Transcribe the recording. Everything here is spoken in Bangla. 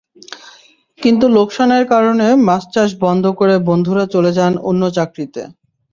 কিন্তু লোকসানের কারণে মাছ চাষ বন্ধ করে বন্ধুরা চলে যান অন্য চাকরিতে।